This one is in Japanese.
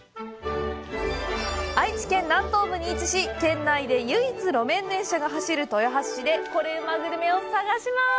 愛知県南東部に位置し、県内で唯一、路面電車が走る豊橋市でコレうまグルメを探します。